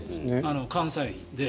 関西で。